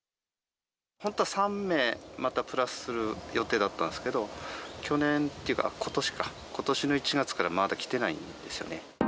本当は３名、またプラスする予定だったんですけど、去年というかことしか、ことしの１月からまだ来てないんですよね。